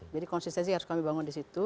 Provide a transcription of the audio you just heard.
jadi konsistensi harus kami bangun di situ